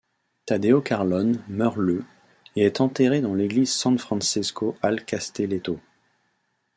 Taddeo Carlone meurt le et est enterré dans l'église San Francesco al Castelletto.